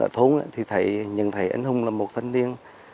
ở thốn thì nhận thấy anh hùng là một thanh niên